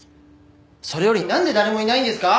それよりなんで誰もいないんですか！？